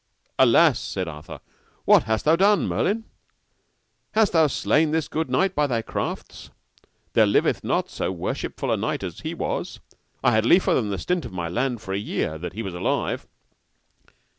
Alas! said Arthur, what hast thou done, Merlin? hast thou slain this good knight by thy crafts? There liveth not so worshipful a knight as he was; I had liefer than the stint of my land a year that he were alive.